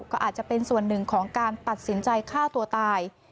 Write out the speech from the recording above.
ก็อาจจะเป็นส่วนหนึ่งของการตัดสินใจฆ่าตัวตาย